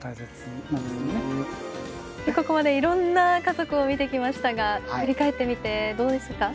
ここまでいろんな家族を見てきましたが振り返ってみてどうでしたか？